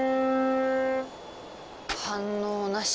反応なし。